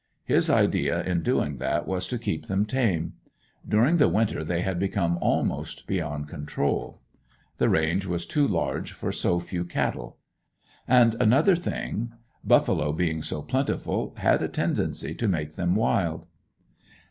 His idea in doing that was to keep them tame. During the winter they had become almost beyond control. The range was too large for so few cattle. And another thing buffalo being so plentiful had a tendency to making them wild.